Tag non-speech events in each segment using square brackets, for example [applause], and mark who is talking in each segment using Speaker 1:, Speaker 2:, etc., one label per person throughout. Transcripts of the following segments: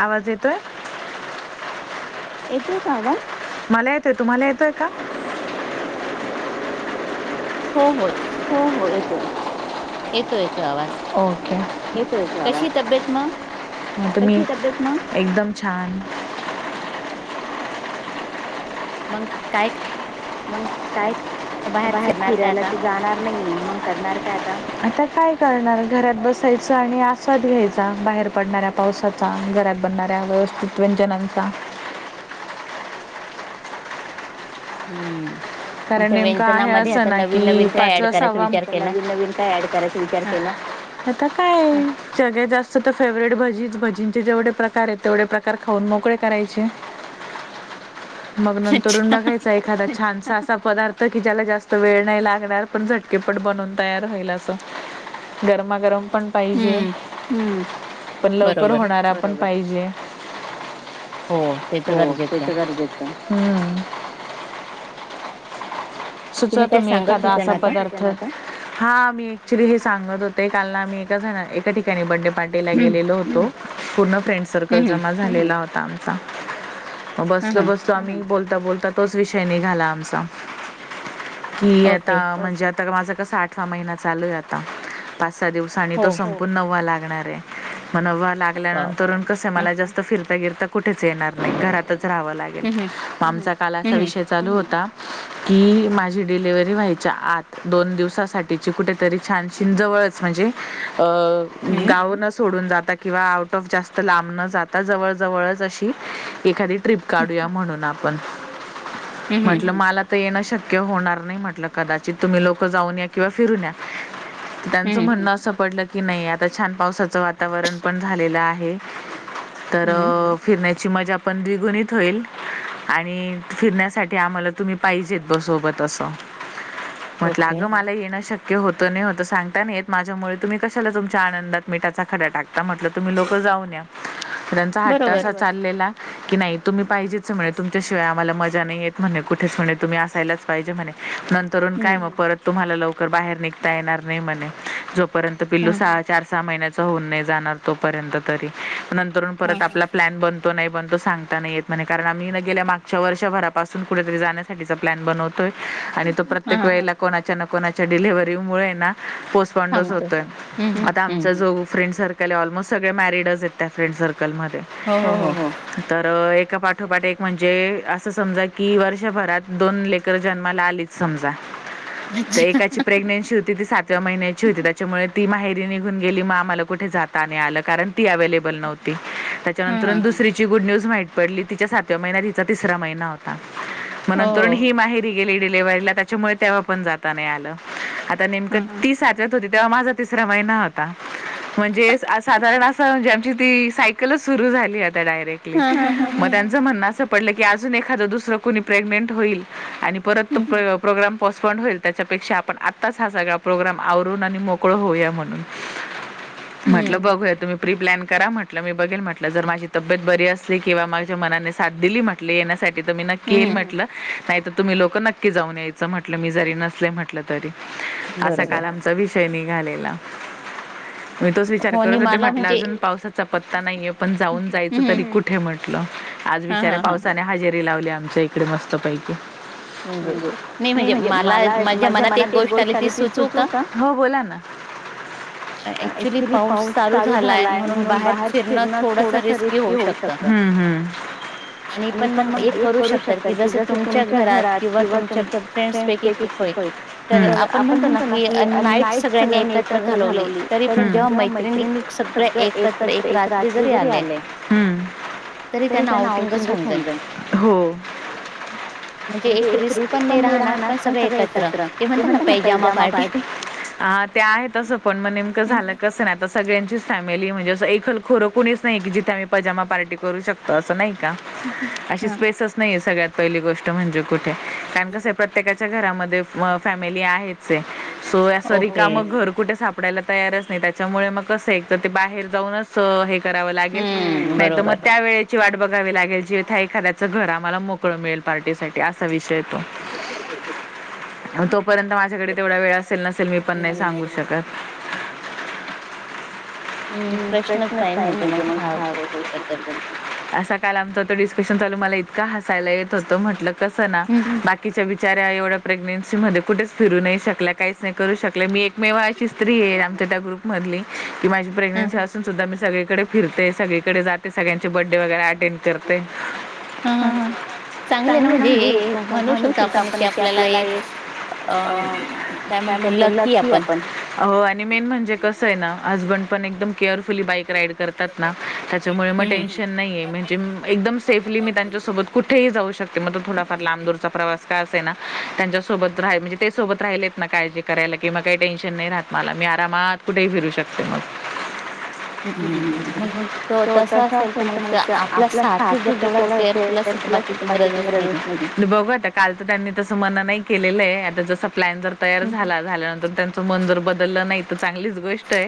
Speaker 1: आवाज येतोय येतोय का ग मला येतोय तुम्हाला येतोय का
Speaker 2: हो हो
Speaker 1: ओके क येतोय येतोय आवाज तुमची तब्येत मग ना एकदम छान
Speaker 2: मग काय
Speaker 1: मग काहीच बाहेर फिरायला त जाणार नाहीे आता काय करणार घरात बसायच आणि आस्वाद घ्यायचा बाहेर पडणार पावसाचा घरात बनणाऱ्या व्यवस्थित व्यजनांचा
Speaker 2: हम्म
Speaker 1: कारण नेमकं आहे असं ना कि पाचवा स हवा म नवीन नवीन काय ऍड करायच विचार केला आता काय सगळ्यात जास्त तर फेव्हरेट भजी भजींचे जेवढे प्रकार आहे तेवढे प्रकार खाऊन मोकळे करायचे मग नंतरून बघायचा एखादा छानसा असा पदार्थ कि ज्याला जास्त वेळ नाही लागणार पण झट की पट बनून तयार होईल असं गरमागरम पण पाहिजे हम् पण लवकर होणारा पण पाहिजे हो ते तर गरजेच आहे सुचवा तुम्ही एखादा असा पदार्थ हा मी ऍकच्यूअली हे सांगत होते ते काल ना आम्ही एका झा एका ठिकाणी बर्थडे पार्टीला गेलेलो होतो पूर्ण फ्रेंड सर्कल जमा झालेला होता आमचा म बसलो बसलो आम्ही बोलत बोलता बोलता तोच विषय निघाला आमचा कि आता म्हणजे आता ग माझा कसा आठवा महिना चालू आहे आता पाच दिवसांनी तो संपून नववा लागणार आहे मग नववा लागल्यानंतरुन कस मला जास्त फिरता फिरता कुठेच येणार नाही घरातच राहावं लागेल मग आमचा काल असा विषय चालू होता की माझी डिलेव्हरी व्हायच्या आत दोन दिवसासाठीची कुठेतरी छानशी न जवळच म्हणजे अ गाव न सोडून जात किंवा आऊट ऑफ जास्त लांब न जाता जवळ जवळ जशी एखादी ट्रीप काढूया म्हणून आपण म्हटलं मला येण शक्य होणार नाही म्हटलं कदाचित तुम्ही लोक जाऊन या किंवा फिरून या त्यांचं म्हणणं असं पडलं की नाही आता छान पावसाचं वातावरण पण झालेलं आहे तर फिरण्या मजा पण द्विगुणित होईल आणि फिरण्यासाठी आम्हाला तुम्ही पाहिजेत बा सोबत असं म्हटलं अग मला येणं शक्य होत नाही होतं सांगता नाही येत माझ्यामुळे तुम्ही कशाला तुमच्या आनंदात मिठाचा खडा टाकता म्हटलं तुम्ही लोक जाऊन या त्यांचा हट्ट असा चाललेला की नाही तुम्ही पाहिजेच म्हणे तुमच्याशिवाय आम्हाला मजा नाहीयेत म्हणे कुठेच म्हणे तुम्ही असायलाच पाहिजे म्हणे नंतरून काय मग परत तुम्हाला लवकर बाहेर निघता येणार नाही म्हणे जोपर्यंत पिल्लू सहा चार सहा महिन्याचा होऊन नाही जाणारं तोपर्यंत तरी नंतरून परत आपला प्लॅन बन बनतो नाही बनतो सांगता नाही येत म्हणे कारण आम्ही ना गेल्या मागच्या वर्षभरापासून कुठेतरी जाण्यासाठीचा प्लॅन बनवतो आणि तो प्रत्येक वेळेला कोणाच्या ना कोणाच्या डिलेव्हरी मुळे ना पोस्टपॉन्डच होतोय आता आमचा जो फ्रेंड सर्कल अल्मोस्ट सगळे मॅरिडच आहेत त्या फ्रेंड् सर्कल मध्ये तरं एक एका पाठोपाठ एक म्हणजे असं समजा की वर्षभरात दोन लेकर जन्माला आलीच समजा तर एकाची प्रेग्नेन्सी होती ती सातव्या महिन्याची होती त्याच्यामुळे ती माहेरी निघून गेली मग आम्हाला कुठे जाता नाही आलं कारण ती अव्हेलेबल नव्हती त्याच्यानंतरुन दुसरीची गुड न्यूज माहित पडली तिच्या सातव्या महिन्यात हिचा तिसरा महिना होता म नंतरुन ही माहेरी गेली डिलेव्हरिला त्याच्यामुळे तेव्हा पण जाता नाही आलं तर नेमकं ती सातव्यात होती तेव्हा माझा तिसरा महिना होता म्हणजे साधारण असं म्हणजे आमची ती सायकलच सुरु झाली आता डायरेक्ली मग त्यांच म्हण असं पडलं की अजून एखाद दुसरं कोणी प्रेग्नेंट होईल आणि परत तो प्रोग्राम पोस्टपॉन्ड होईल त्याच्यापेक्षा आपण आत्ताच हा सगळा प्रोग्राम आवरून आणि मोकळ होऊया म्हणून म्हटलं बघूया तुम्ही प्री प्लॅन करा म्हटलं मी बघेल म्हटलं जर माझी तब्येत बरी असली किंवा माझ्या मनाने साथ दिली म्हटले येण्यासाठी तर येईल म्हटल नाही तर तुम्ही लोक नक्की जाऊन यायचं म्हटल मी जरी नसले म्हटल तरी असा काल आमचा विषय निघालेला मी तोच विचार करत होते म्हटलं अजून पावसाचा पत्ता नाहीये पण जाऊन जायच तरी कुठे म्हटलं आज बिचाऱ्या पावसाने हजेरी लावली आमच्या इकडे मस्त पैकी नाही म्हणजे मला माझ्या मनात एक गोष्ट आली ती सुचवू का हो बोला ना ऍक्चुली पाऊस चालू झालाय म्हणून बाहेर फिरण थोडासा रसकी होईल हम्म हम्म
Speaker 2: आणि पण मग एक
Speaker 1: करू शकत की जसं तुमच्या घरात किंवा तुमच्या फ्रेंड शिकव तर आपण म्हणतो ना की नाईस सगळ्यांनी क्र घालवली मैत्रिणी सगळ एकत्र एक रात्री जरी आले [unintelligible] रुट पण मी राहणार पण सगळे एकत्र तू म्हणत ना पैजामा पार्टी ह ते आहेत तसं पण मग नेमकं झालं कसं नाही आता सगळ्यां फॅमिली म्हणजे अस एकखल खोरं कोणीच नाही कि जिथे आम्ही पैजामा पार्टी करू शकत असं नाही अशी स्पेसच नाहीे सगळ्यात पहिली गोष्ट म्हणजे कुठे कारण कस प्रत्येकाच्या घरामध्ये फॅमिली आहे स या सा मग घर कुठे सापडयला तयारच नाही त्याच्यामुळे मग कस एक तर ते बाहेर जाऊनच करावे लागेल नाहीतर त्या वेळेची वाट बघावी लागेल जिथे एखादा घर आम्हाला मोकळं मिळेल पार्टीसाठीठी असा विषय
Speaker 2: [unintelligible]
Speaker 1: तोपर्यंत माझ्याकडे तेवढा वेळ असेल नसेल मी पण नाही सांगू शकत [unintelligible] ह प्रश्नच नाही आहे मगअसा काल आमचा डिस्कशन काल मला इतक हसायला येत होतं कसा आहे ना बाकीच्या बिचारा एवढ्या प्रेग्नेंट ध्ये कुठेच फिरू नाही शकल्या काहीच नाही करू शकत मी एकमेव अशी स्त्री आहे आमच्या ग्रुप मधली की माझी प्रेग्न्सी असून सुद्धा मी सगळीकडे फिरतेो ते सगळीकडे जाते सगळ्यांचे बर्थडे वगैरे अटेंड करते हा चांगलं म्हजे म्हणू शकतो आपण ते आपल्याला अ त्यानंतरक्की आपण आणि मेन म्हणजे कस आहे ना पण एकदम केअर फुले फुली बाईक राईड करतात ना त्याच्यामुळे मग टेन्शन नाहीे म्हणजे एकदम सेफ मी त्यांच्यासोबत कुठेही जाऊ शकते मग त थोडाफार लांबदूरचा प्रवास काय असे ना त्यांच्या सोबत रा म्हणजे ते सोबत राहिलेत ना काळजी करायला किंवा काही टेन्शन नाही राहत मला मी आरामात कुठेही फिरू शकते मग [unintelligible] बघ काल तर त्यांनी तसं म्हण नाही केलं आहे त्या प्लॅन जर तयार झाला झाल्यानंतर त्यांच मन जर बदललं नाही तर चांगलीच गोष्ट आहे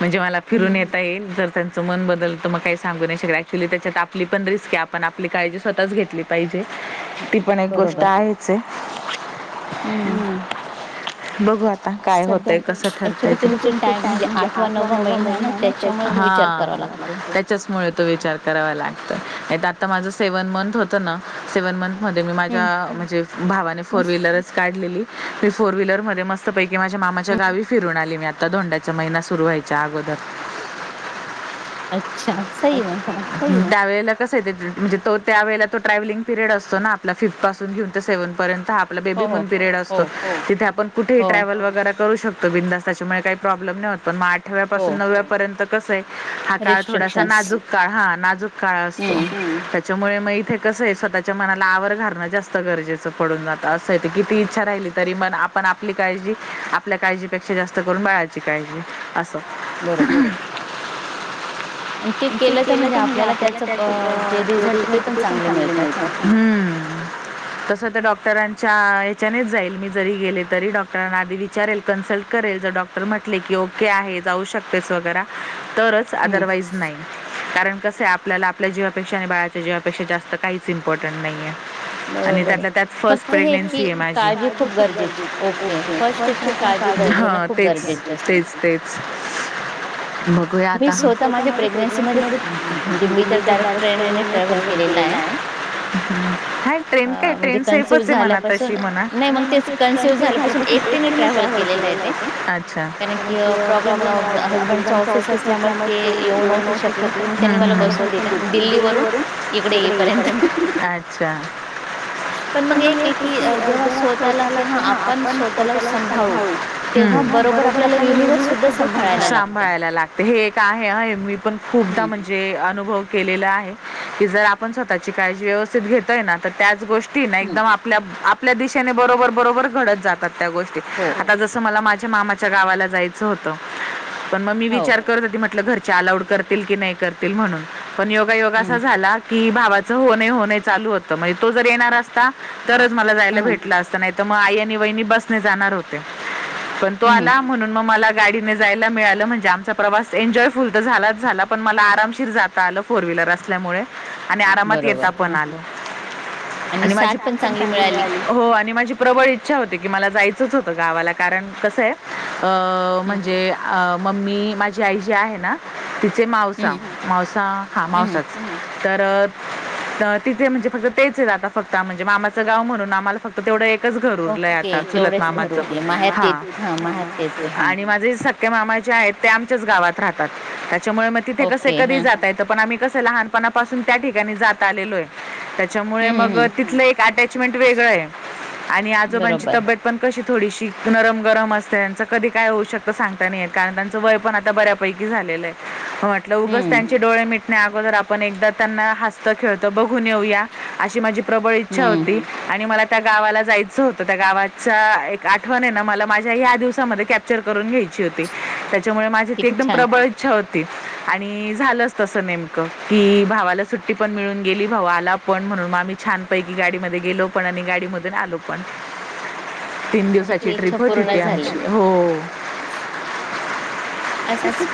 Speaker 1: म्हणजे मला फिरून येता येईल ज त्यांचं मन बदल तर मग काही सांगू नाहीकक्च्युली त्याच्यात आपली पण रिस्क आपण आपली काळजी स्वतःच घेतली पाहिजे ती पण एक गोष्ट आहेच आहे हम् बघू आता आता काय होतय कसं ठरतय तरी तुमचे टाईम म्हणजे आठवा न महिना ना त्या त्यांच्यामुळे तो विचार करावा लागतो आता माझं सेव्हन मंथ होतं ना सेव्हन मंथ मध्ये मी माझ्या म्हणजे भावाने फोर व्हीलरच काढलेली मी फोर व्हीलर मध्ये मस्त पैकी माझ्या मामाच्या गावी फिरून आली मी आता धोंड्याचा महिना सुरू व्हाय अगोदर त्यावेेळेला म्हणजे तो त्याेला तो ट्रॅव्हि पिरयड असतो ना आपला फिरतो घेऊन ते सेव्हन पर्यंत आपला बेबी मत पिरेड असतो कुठेही ट्रॅव्हल वगैरे करू शकतो बिंदास त्याच्यामुळे काही प्रॉब्लेम नाही होत पण मग आठव्यापासून नवव्यापर्यंत कसं आहे हा काळ थोडासा नाजूक काळ हा नाजूक काळ असतो मुळे मग इथे कसं आहे स्वतःच्या मनाला आवर घाणं जास्त गरजेचं पडून जात असं कि ती इच्छा राहिली आपण आपली काळजी आपल्या काळजीपेक्षा जास्त करून बाळाची काळजी हम् ते केलं तर म्हणजे आपल्याला त्याच अ च त डॉक्ट ह्याच्यानेच जाईल मी जरी गेले तरी डॉक्टरांना आधी विचारेल कन्सल्ट करेल जर डॉक्टर म्हटले कि ओके आहे जाऊ शकतेस वगैर तरच अदरवाईज नाही कारण कस आहे आपल्याला आपल्या जीवापेक्षा शषा आणि बाळाच्या जीवापेक्षास् काहीच इम्पॉर्टंट नाही आहे आणि त्यात त्यात फर्स्ट प्रेग्नेन्सी आहे माझीओ हा तेच तेच तेच बघूया आताटे प्रेग्नेन्सी मध्ये म्हणजे मी एक बरे ून तला ट्रेन काय ट्रेन सेफच आहे मना तशी म्हणा नाही म्ह ट्रेन सेफ झाल्यापूनस्न आहे ्ॉब्लेम हबंड ऑफिस असल्या म त येऊन इ तर तर मग एक आहे की जेव छोट्याला तेव आपण छोट्याला सभावू ह बरोबर आपल्याला युनिव्हर्स खू सांभाळायला लागते हे एक आहे मी पण खूपदा अ जर आपण स्वतः का व्यवस्थित घोय त्या गोष्ट ती ना एकदम आपल्या आपल्या दिशेने बरोबर बरोबर घडत जातात त्या गोष्टी आता जस मला माझ म मी विचत होट चालउड करतील की नाही करतील म्हणून पण योगा योगा असा झाला की भावाच होणे होणे चालू होतं म्हणजे तो जर येणार असता तरच मला जायला भेटला असता नाही मग आई आणि वहिणी बस जाणार होते पण तो आला म्हणून मग मला गाडी जायला मिळालं म्हणजे आमचा प्रवास एन्ॉयफुल तर झालाच झाला पण मला आरामशीर जात आलं फोर व्हीलर असल्यामुळे आणि आरामात येता पण आल आणि माझीॅ पण चांगळाली हो आणि माझी प्रबळ इच्छा होती की मला जायचंच होतं गावाला कारण कसं आहे म्हणजे मम्मी माझी आई जी आहे ना तिचे मावसा मावसा हामसच तर तिथे म्हणजे फक्त तेच आहे आता फक्त म्हणजे मामाचं गाव म्हणून आम्हाला फक्त तेवढं एक घर उरलंय आता चलत मामाच हा आणि माझ मामा जे आहेत ते आमच्याच गावात राहतात त्यामुळे मग तिथे कसे कधी जात क लून त्या ठिकाणी जात आलोय त्यामुळे मग तिथ एक अटचमेंट वेगळ आहे आणि आजोबांची तब्येत पण कशी थोडीशी गरम गरम असते त्यांच कधी काय होऊ शकतं सांगता नाहीेत कारण त्यांचं वय पण आता बऱ्यापैकी झालं म्हट डो मिणे अगोर आपण एकदा त्यांना हत खेळत बघून येऊया अशी माझी प्रबळ इच्छा होती आणि मला त्या गावाला जायचं होतं त्या गावाच्या एक आठवणीनं मला माझ्या या्या दिवसामध्ये कॅप्चर करून घ्यायच त्या माझ प्र इ्छा हो झालंच तस नेमकं की भावाला सुट्टी पण मिळून गेली भाऊ आला पण म्हणून मामही छानपैकी गाडीमध्ये गेलो पण आणि गाडी मधून आलो पण तीन दिवसाची ट्रिप होती त आची हो च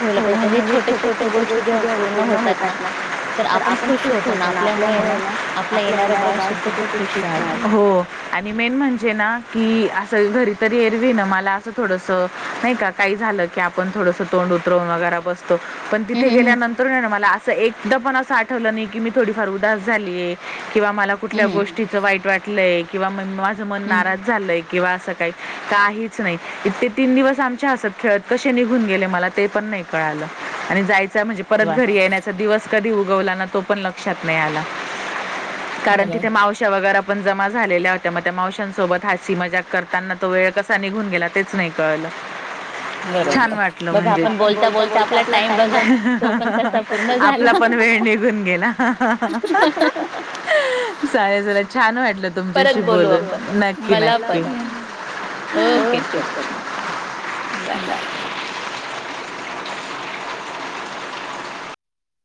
Speaker 1: म्हणजे छोट्या छोटे गोष्टी पूर्ण होतात ना तर आपण ख ठ होतो ना आपल्यामुळे ना आपलं येणारे बाल सु हो आणि मेन म्हणजे ना की असं घरी तररी एरवी ना मला असं थोडस नाही का काही झालं की आपण थोडंसं तोंड उतरवून वगैरे बसतो गेल्यानंतर नाही मला असं एकदा पण असं आठवलं नाही की मी थोडीफार उदास झालीय किंवा मला कुठल्या गोष्टीच वाईट वाटलय किंवा माझं मन नाराज झालंय किंवा असं काही काहीच नाही इतके तीन दिवस आमच्या हसत खेळत कसे निघून गेले मला ते पण नाही कळा आणि म्हणजे परत घरी येण्याचा दिवस कधी उगवला ना तो पण लक्षात नाही आला कारण तिथे मावश वगैरे पण जमा झालेल्या होत्या मग त्या मावशांसोबत हासी मजाक करताना तो वेळ कसा निघून गेला तेच नाही कळलं छान वाटलं म्हणजे पण बोलता बोलता आपल्या टाईम नाही आपला पण वेळ निघून गेला चाले चला छान वाटलं तुमच्याशी बोलून नक्की नक्की
Speaker 2: हो का चला बाय